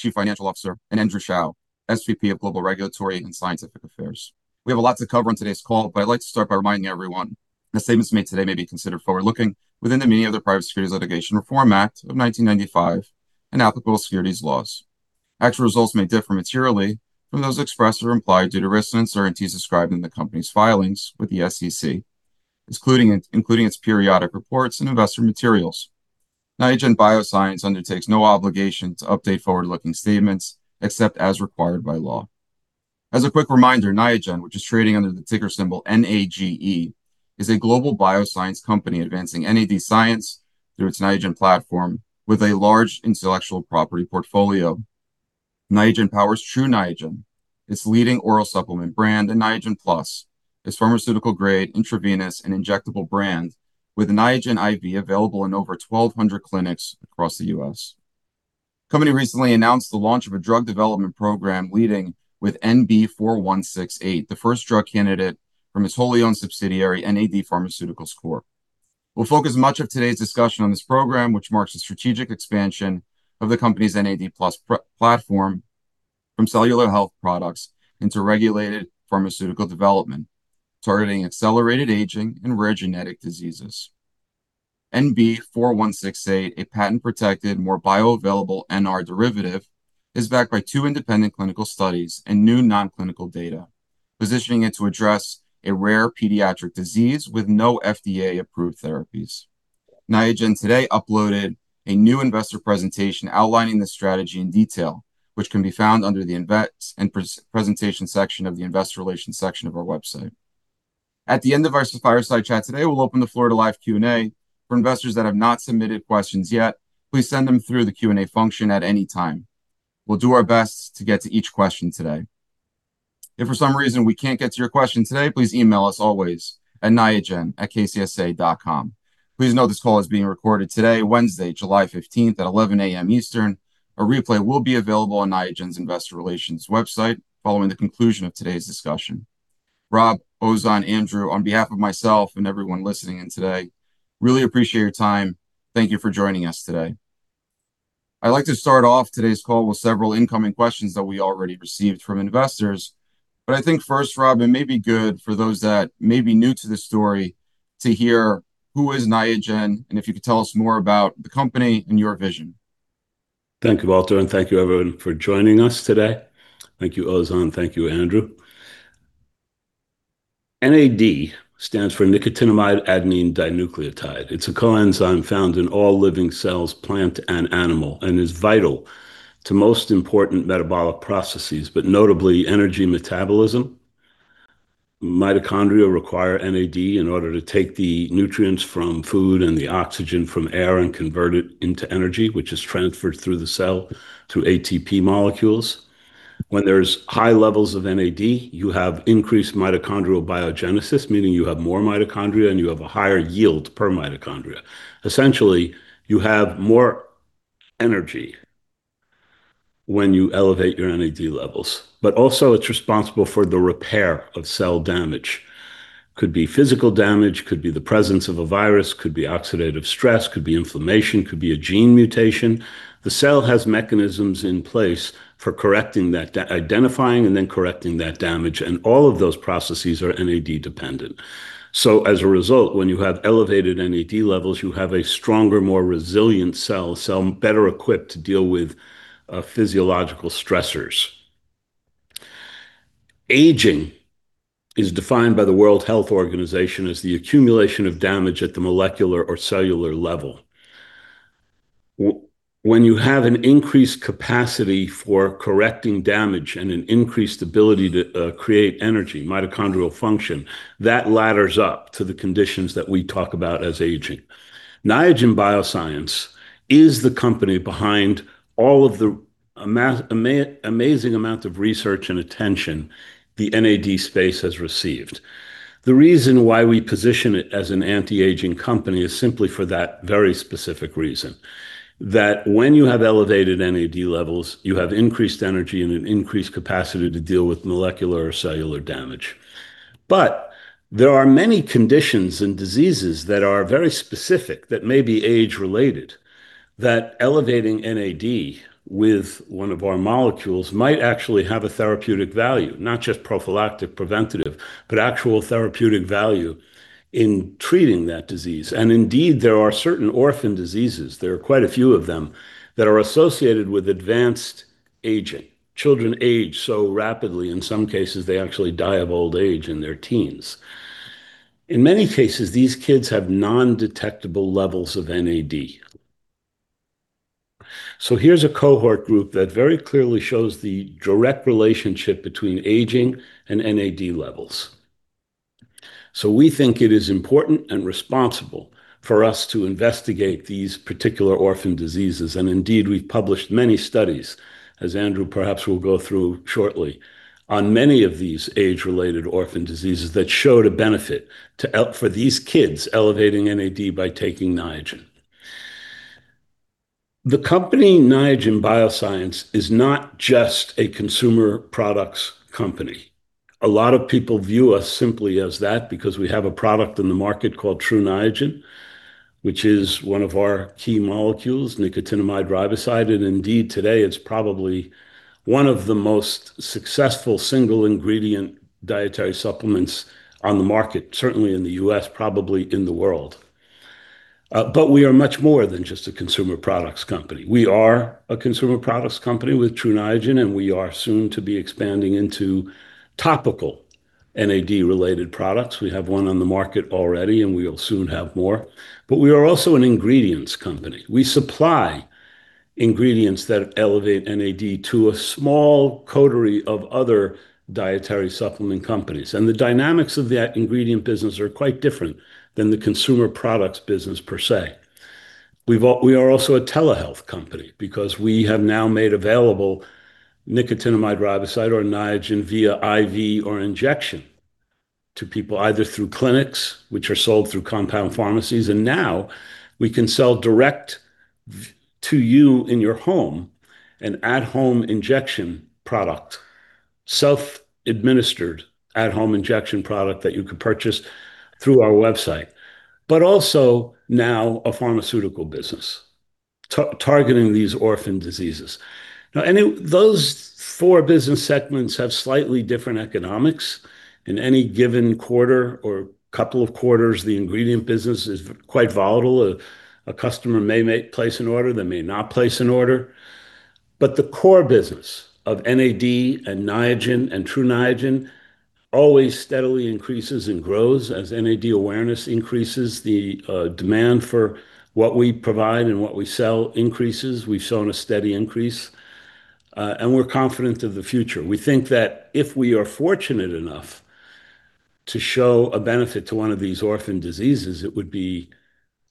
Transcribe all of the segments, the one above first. Chief Financial Officer, and Andrew Shao, SVP of Global Regulatory and Scientific Affairs. We have a lot to cover on today's call, but I'd like to start by reminding everyone that statements made today may be considered forward-looking within the meaning of the Private Securities Litigation Reform Act of 1995 and applicable securities laws. Actual results may differ materially from those expressed or implied due to risks and uncertainties described in the company's filings with the SEC, including its periodic reports and investor materials. Niagen Bioscience undertakes no obligation to update forward-looking statements except as required by law. As a quick reminder, Niagen, which is trading under the ticker symbol NAGE, is a global bioscience company advancing NAD science through its Niagen platform with a large intellectual property portfolio. Niagen powers Tru Niagen, its leading oral supplement brand, and Niagen+, its pharmaceutical-grade intravenous and injectable brand, with Niagen IV available in over 1,200 clinics across the U.S. Company recently announced the launch of a drug development program leading with NB4168, the first drug candidate from its wholly owned subsidiary, NAD Pharmaceuticals Corp. We'll focus much of today's discussion on this program, which marks a strategic expansion of the company's NAD+ platform from cellular health products into regulated pharmaceutical development, targeting accelerated aging and rare genetic diseases. NB4168, a patent-protected, more bioavailable NR derivative, is backed by two independent clinical studies and new non-clinical data, positioning it to address a rare pediatric disease with no FDA-approved therapies. Niagen today uploaded a new investor presentation outlining the strategy in detail, which can be found under the presentation section of the investor relations section of our website. At the end of our Fireside chat today, we'll open the floor to live Q&A. For investors that have not submitted questions yet, please send them through the Q&A function at any time. We'll do our best to get to each question today. If for some reason we can't get to your question today, please email us always at niagen@kcsa.com. Please note this call is being recorded today, Wednesday, July 15th at 11:00 A.M. Eastern. A replay will be available on Niagen's investor relations website following the conclusion of today's discussion. Rob, Ozan, Andrew, on behalf of myself and everyone listening in today, really appreciate your time. Thank you for joining us today. I'd like to start off today's call with several incoming questions that we already received from investors. I think first, Rob, it may be good for those that may be new to this story to hear who is Niagen, and if you could tell us more about the company and your vision. Thank you, Valter, and thank you everyone for joining us today. Thank you, Ozan. Thank you, Andrew. NAD stands for nicotinamide adenine dinucleotide. It's a coenzyme found in all living cells, plant and animal, and is vital to most important metabolic processes, but notably energy metabolism. Mitochondria require NAD in order to take the nutrients from food and the oxygen from air and convert it into energy, which is transferred through the cell through ATP molecules. When there's high levels of NAD, you have increased mitochondrial biogenesis, meaning you have more mitochondria and you have a higher yield per mitochondria. Essentially, you have more energy when you elevate your NAD levels. Also, it's responsible for the repair of cell damage. Could be physical damage, could be the presence of a virus, could be oxidative stress, could be inflammation, could be a gene mutation. The cell has mechanisms in place for identifying and then correcting that damage, and all of those processes are NAD-dependent. As a result, when you have elevated NAD levels, you have a stronger, more resilient cell, some better equipped to deal with physiological stressors. Aging is defined by the World Health Organization as the accumulation of damage at the molecular or cellular level. When you have an increased capacity for correcting damage and an increased ability to create energy, mitochondrial function, that ladders up to the conditions that we talk about as aging. Niagen Bioscience is the company behind all of the amazing amount of research and attention the NAD space has received. The reason why we position it as an anti-aging company is simply for that very specific reason, that when you have elevated NAD levels, you have increased energy and an increased capacity to deal with molecular or cellular damage. There are many conditions and diseases that are very specific, that may be age-related, that elevating NAD with one of our molecules might actually have a therapeutic value, not just prophylactic preventative, but actual therapeutic value in treating that disease. Indeed, there are certain orphan diseases, there are quite a few of them, that are associated with advanced aging. Children age so rapidly, in some cases, they actually die of old age in their teens. In many cases, these kids have non-detectable levels of NAD. Here's a cohort group that very clearly shows the direct relationship between aging and NAD levels. We think it is important and responsible for us to investigate these particular orphan diseases, and indeed, we've published many studies, as Andrew perhaps will go through shortly, on many of these age-related orphan diseases that showed a benefit for these kids elevating NAD by taking Niagen. The company, Niagen Bioscience, is not just a consumer products company. A lot of people view us simply as that because we have a product in the market called Tru Niagen, which is one of our key molecules, nicotinamide riboside. Indeed, today, it's probably one of the most successful single-ingredient dietary supplements on the market, certainly in the U.S., probably in the world. We are much more than just a consumer products company. We are a consumer products company with Tru Niagen, and we are soon to be expanding into topical NAD-related products. We have one on the market already, and we'll soon have more. We are also an ingredients company. We supply ingredients that elevate NAD to a small coterie of other dietary supplement companies, and the dynamics of that ingredient business are quite different than the consumer products business per se. We are also a telehealth company because we have now made available nicotinamide riboside or Niagen via IV or injection to people, either through clinics, which are sold through compound pharmacies, and now we can sell direct to you in your home an at-home injection product, self-administered at-home injection product that you can purchase through our website. Also now a pharmaceutical business targeting these orphan diseases. Those four business segments have slightly different economics. In any given quarter or couple of quarters, the ingredient business is quite volatile. A customer may place an order, they may not place an order. The core business of NAD and Niagen and Tru Niagen always steadily increases and grows. As NAD awareness increases, the demand for what we provide and what we sell increases. We've shown a steady increase, and we're confident of the future. We think that if we are fortunate enough to show a benefit to one of these orphan diseases, it would be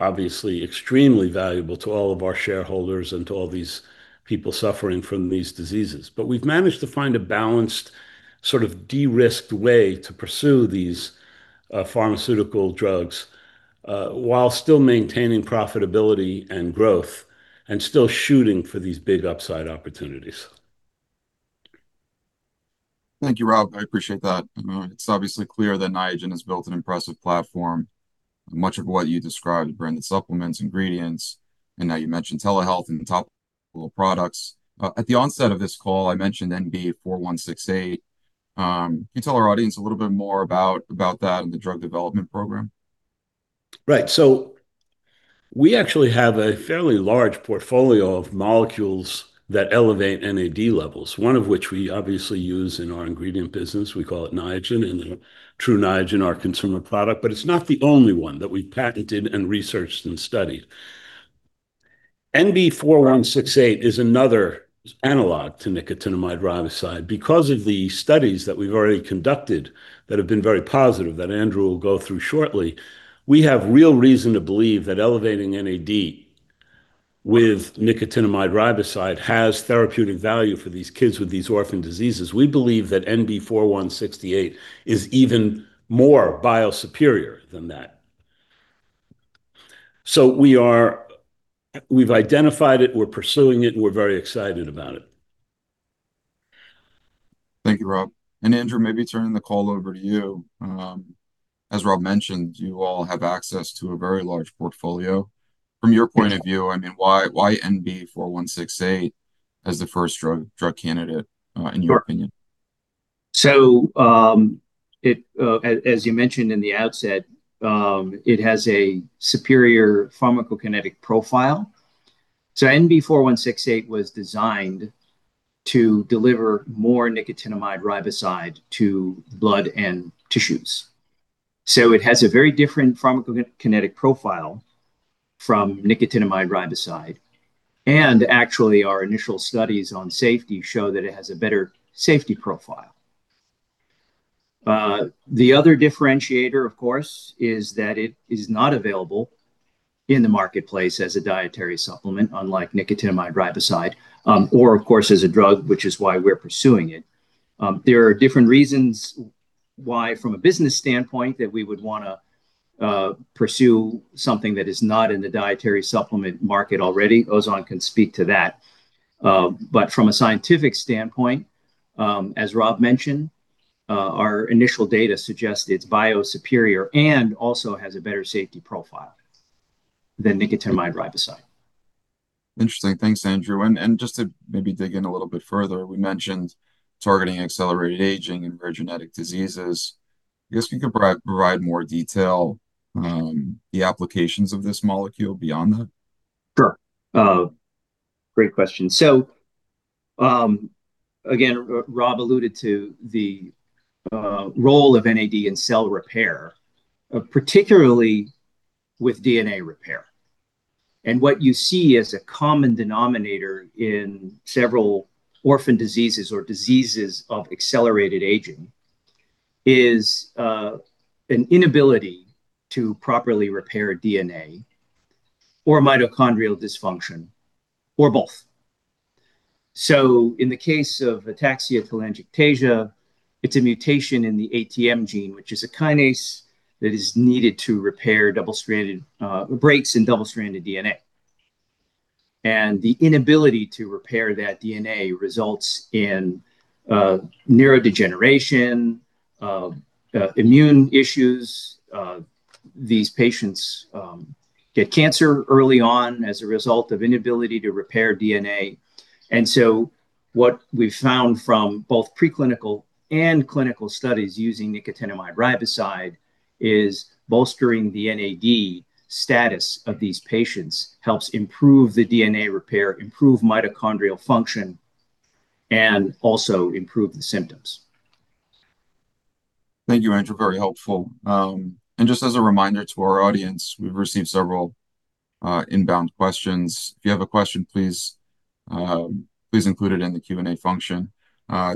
obviously extremely valuable to all of our shareholders and to all these people suffering from these diseases. We've managed to find a balanced sort of de-risked way to pursue these pharmaceutical drugs, while still maintaining profitability and growth and still shooting for these big upside opportunities. Thank you, Rob. I appreciate that. It's obviously clear that Niagen has built an impressive platform. Much of what you described, branded supplements, ingredients, and now you mentioned telehealth and the topical products. At the onset of this call, I mentioned NB4168. Can you tell our audience a little bit more about that and the drug development program? We actually have a fairly large portfolio of molecules that elevate NAD levels, one of which we obviously use in our ingredient business. We call it Niagen, and Tru Niagen, our consumer product, but it's not the only one that we've patented and researched and studied. NB4168 is another analog to nicotinamide riboside. Because of the studies that we've already conducted that have been very positive, that Andrew will go through shortly, we have real reason to believe that elevating NAD with nicotinamide riboside has therapeutic value for these kids with these orphan diseases. We believe that NB4168 is even more bio-superior than that. We've identified it, we're pursuing it, and we're very excited about it. Thank you, Rob. Andrew, maybe turning the call over to you. As Rob mentioned, you all have access to a very large portfolio. From your point of view, why NB4168 as the first drug candidate in your opinion? Sure. As you mentioned in the outset, it has a superior pharmacokinetic profile. NB4168 was designed to deliver more nicotinamide riboside to blood and tissues. It has a very different pharmacokinetic profile from nicotinamide riboside. Actually, our initial studies on safety show that it has a better safety profile. The other differentiator, of course, is that it is not available in the marketplace as a dietary supplement, unlike nicotinamide riboside, or of course, as a drug, which is why we're pursuing it. There are different reasons why, from a business standpoint, that we would want to pursue something that is not in the dietary supplement market already. Ozan can speak to that. From a scientific standpoint, as Rob mentioned, our initial data suggests it's bio-superior and also has a better safety profile than nicotinamide riboside. Interesting. Thanks, Andrew. Just to maybe dig in a little bit further, we mentioned targeting accelerated aging and rare genetic diseases. I guess you could provide more detail the applications of this molecule beyond that? Sure. Great question. Again, Rob alluded to the role of NAD in cell repair, particularly with DNA repair. What you see as a common denominator in several orphan diseases or diseases of accelerated aging is an inability to properly repair DNA or mitochondrial dysfunction, or both. In the case of ataxia-telangiectasia, it's a mutation in the ATM gene, which is a kinase that is needed to repair breaks in double-stranded DNA. The inability to repair that DNA results in neurodegeneration, immune issues. These patients get cancer early on as a result of inability to repair DNA. What we've found from both preclinical and clinical studies using nicotinamide riboside is bolstering the NAD status of these patients helps improve the DNA repair, improve mitochondrial function, and also improve the symptoms. Thank you, Andrew. Very helpful. Just as a reminder to our audience, we've received several inbound questions. If you have a question, please include it in the Q&A function.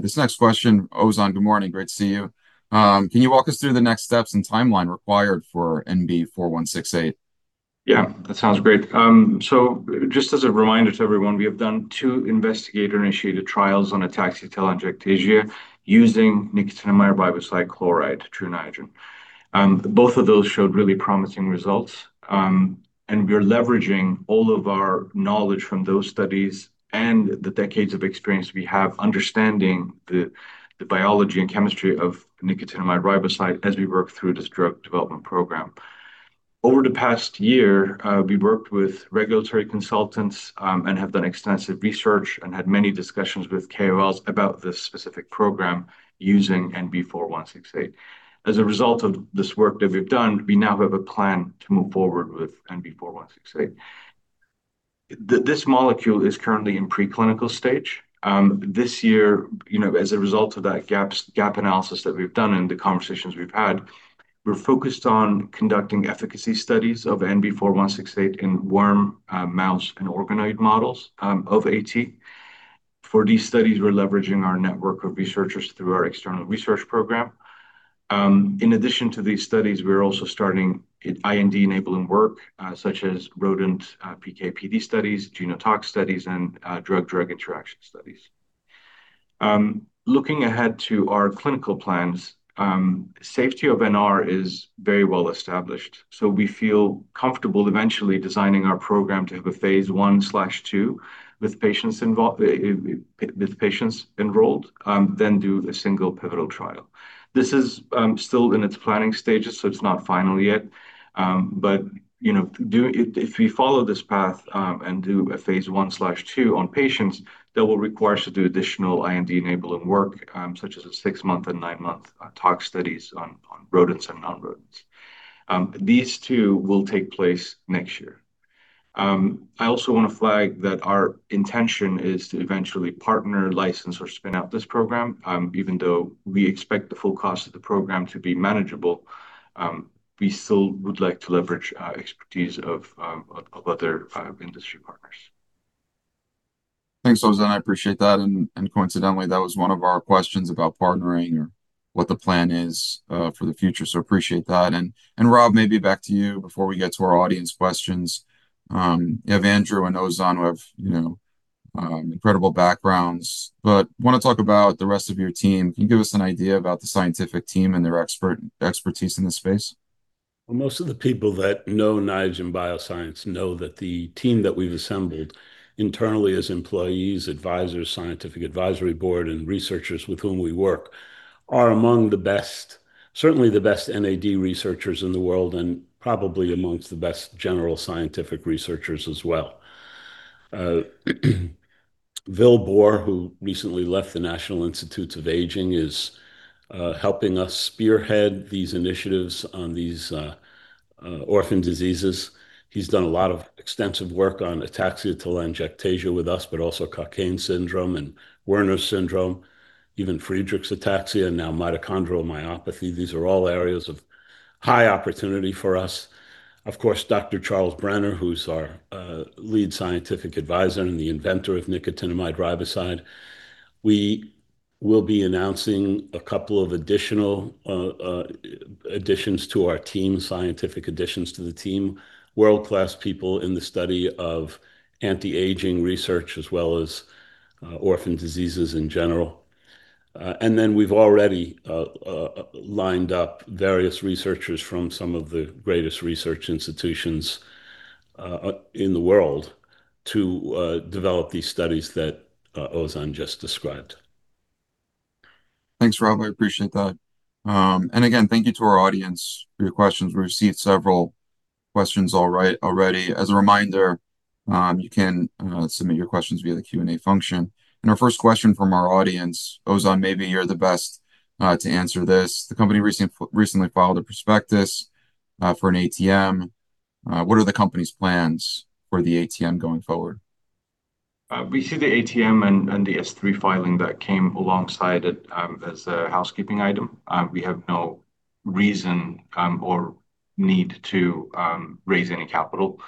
This next question, Ozan, good morning, great to see you. Can you walk us through the next steps and timeline required for NB4168? That sounds great. Just as a reminder to everyone, we have done two investigator-initiated trials on ataxia-telangiectasia using nicotinamide riboside chloride Tru Niagen. Both of those showed really promising results. We're leveraging all of our knowledge from those studies and the decades of experience we have understanding the biology and chemistry of nicotinamide riboside as we work through this drug development program. Over the past year, we worked with regulatory consultants and have done extensive research and had many discussions with KOLs about this specific program using NB4168. As a result of this work that we've done, we now have a plan to move forward with NB4168. This molecule is currently in preclinical stage. This year, as a result of that gap analysis that we've done and the conversations we've had, we're focused on conducting efficacy studies of NB4168 in worm, mouse, and organoid models of AT. For these studies, we're leveraging our network of researchers through our external research program. In addition to these studies, we're also starting IND-enabling work, such as rodent PK/PD studies, genotoxicity studies, and drug-drug interaction studies. Looking ahead to our clinical plans, safety of NR is very well-established, so we feel comfortable eventually designing our program to have a phase I/II with patients enrolled, then do the single pivotal trial. This is still in its planning stages, so it's not final yet. If we follow this path, and do a phase I/II on patients, that will require us to do additional IND-enabling work, such as a six-month and nine-month tox studies on rodents and non-rodents. These two will take place next year. I also want to flag that our intention is to eventually partner, license, or spin out this program. Even though we expect the full cost of the program to be manageable, we still would like to leverage expertise of other industry partners. Thanks, Ozan, I appreciate that. Coincidentally, that was one of our questions about partnering or what the plan is for the future. Appreciate that. Rob, maybe back to you before we get to our audience questions. You have Andrew and Ozan who have incredible backgrounds, but want to talk about the rest of your team. Can you give us an idea about the scientific team and their expertise in this space? Most of the people that know Niagen Bioscience know that the team that we've assembled internally as employees, advisors, scientific advisory board, and researchers with whom we work are among the best, certainly the best NAD researchers in the world, and probably amongst the best general scientific researchers as well. Vil Bohr, who recently left the National Institute on Aging, is helping us spearhead these initiatives on these orphan diseases. He's done a lot of extensive work on ataxia-telangiectasia with us, but also Cockayne syndrome and Werner syndrome, even Friedreich's ataxia, and now mitochondrial myopathy. These are all areas of high opportunity for us. Of course, Dr. Charles Brenner, who's our lead scientific advisor and the inventor of nicotinamide riboside. We will be announcing a couple of additional additions to our team, scientific additions to the team. World-class people in the study of anti-aging research, as well as orphan diseases in general. We've already lined up various researchers from some of the greatest research institutions in the world to develop these studies that Ozan just described. Thanks, Rob. I appreciate that. Again, thank you to our audience for your questions. We've received several questions already. As a reminder, you can submit your questions via the Q&A function. Our first question from our audience, Ozan, maybe you're the best to answer this. The company recently filed a prospectus for an ATM. What are the company's plans for the ATM going forward? We see the ATM and the S-3 filing that came alongside it as a housekeeping item. We have no reason or need to raise any capital.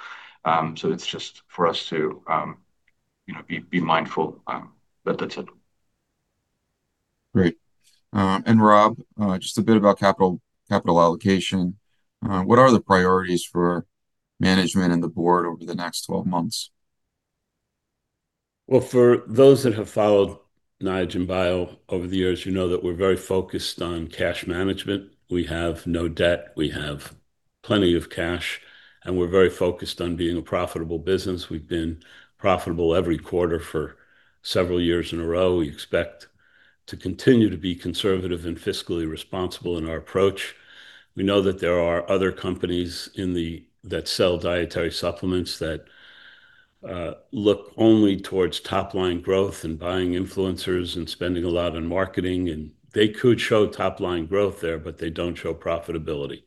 It's just for us to be mindful. That's it. Great. Rob, just a bit about capital allocation. What are the priorities for management and the board over the next 12 months? Well, for those that have followed Niagen Bio over the years, you know that we're very focused on cash management. We have no debt, we have plenty of cash, and we're very focused on being a profitable business. We've been profitable every quarter for several years in a row. We expect to continue to be conservative and fiscally responsible in our approach. We know that there are other companies that sell dietary supplements that look only towards top-line growth and buying influencers and spending a lot on marketing, and they could show top-line growth there, but they don't show profitability.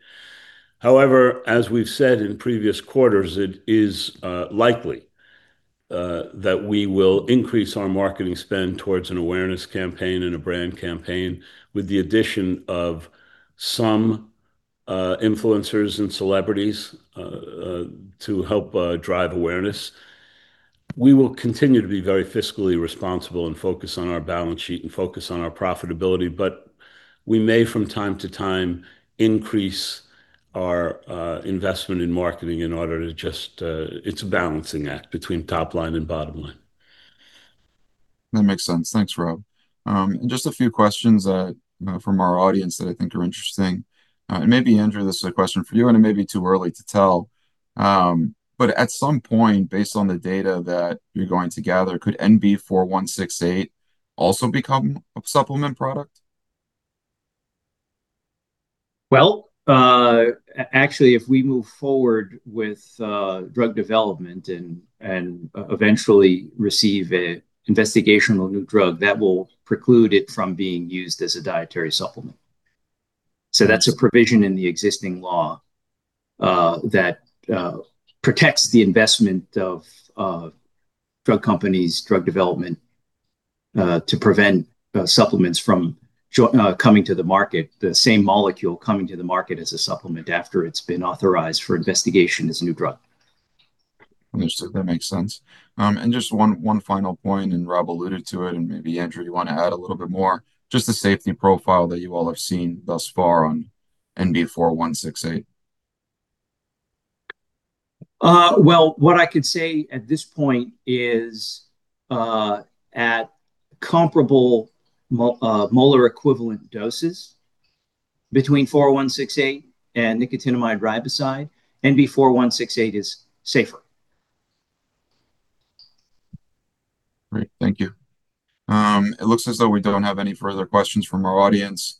However, as we've said in previous quarters, it is likely that we will increase our marketing spend towards an awareness campaign and a brand campaign with the addition of some influencers and celebrities to help drive awareness. We will continue to be very fiscally responsible and focus on our balance sheet and focus on our profitability. We may, from time to time, increase our investment in marketing. It's a balancing act between top line and bottom line. That makes sense. Thanks, Rob. Just a few questions from our audience that I think are interesting. Maybe, Andrew, this is a question for you, and it may be too early to tell. At some point, based on the data that you're going to gather, could NB4168 also become a supplement product? Well, actually, if we move forward with drug development and eventually receive an investigational new drug, that will preclude it from being used as a dietary supplement. That's a provision in the existing law that protects the investment of drug companies, drug development, to prevent supplements from coming to the market, the same molecule coming to the market as a supplement after it's been authorized for investigation as a new drug. Understood. That makes sense. Just one final point, and Rob alluded to it, and maybe, Andrew, you want to add a little bit more, just the safety profile that you all have seen thus far on NB4168. Well, what I could say at this point is at comparable molar equivalent doses between 4168 and nicotinamide riboside, NB4168 is safer. Great. Thank you. It looks as though we don't have any further questions from our audience.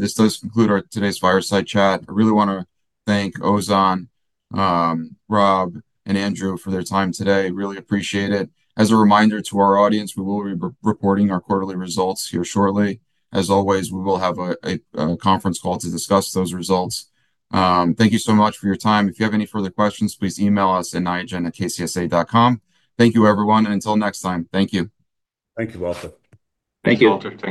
This does conclude today's Fireside chat. I really want to thank Ozan, Rob, and Andrew for their time today. Really appreciate it. As a reminder to our audience, we will be reporting our quarterly results here shortly. As always, we will have a conference call to discuss those results. Thank you so much for your time. If you have any further questions, please email us at niagen@kcsa.com. Thank you everyone. Until next time. Thank you. Thank you, Valter. Thank you Valter. Thanks.